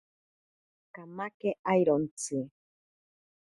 Kamake airontsi.